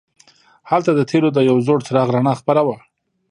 هلته د تیلو د یو زوړ څراغ رڼا خپره وه.